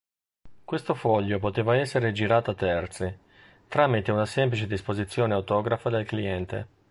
Questo foglio poteva essere ‘girato’ a terzi, tramite una semplice disposizione autografa del cliente.